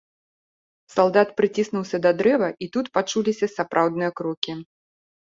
Салдат прыціснуўся да дрэва, і тут пачуліся сапраўдныя крокі.